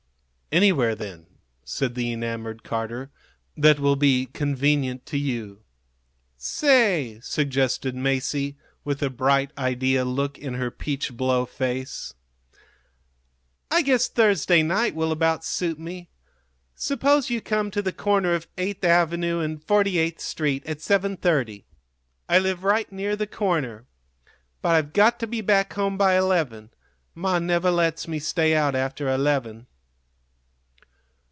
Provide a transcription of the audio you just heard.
"Anywhere, then," said the enamored Carter, "that will be convenient to you." "Say," suggested Masie, with a bright idea look in her peach blow face; "I guess Thursday night will about suit me. Suppose you come to the corner of Eighth Avenue and Forty eighth Street at 7:30. I live right near the corner. But I've got to be back home by eleven. Ma never lets me stay out after eleven."